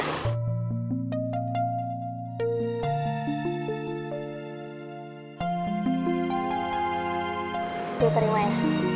ibu terima ya